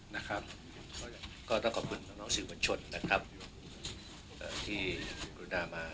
นะครับก็ต้องขอบคุณของน้องสิงหวัดชนนะครับเอ่อที่ครูนามา